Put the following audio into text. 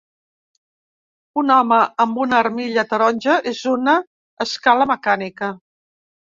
Un home amb una armilla taronja és en una escala mecànica.